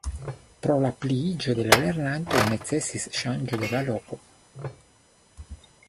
Pro la pliiĝo de la lernantoj necesis ŝanĝo de la loko.